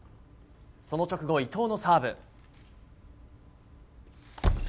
その直後、伊藤のサーブ。